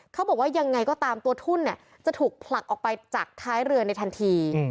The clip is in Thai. เขาบอกว่ายังไงก็ตามตัวทุ่นจะถูกผลักออกไปจากท้ายเรือในทันที